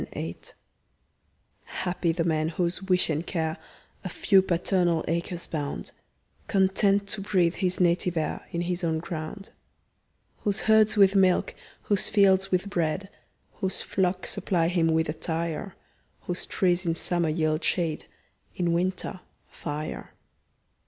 W X . Y Z Solitude HAPPY the man, whose wish and care A few paternal acres bound, Content to breathe his native air In his own ground. Whose herds with milk, whose fields with bread, Whose flocks supply him with attire; Whose trees in summer yield shade, In winter, fire.